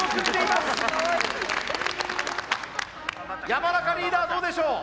山仲リーダーどうでしょう？